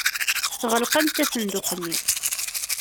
Tɣelqemt asenduq-nni.